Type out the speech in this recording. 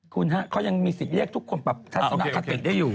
คุณฮะเขายังมีสิทธิ์เรียกทุกคนปรับทัศนคติได้อยู่